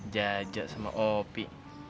jajah sama opi